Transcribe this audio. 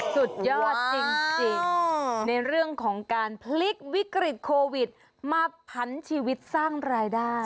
สุดยอดจริงในเรื่องของการพลิกวิกฤตโควิดมาผันชีวิตสร้างรายได้